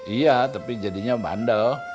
iya tapi jadinya bandel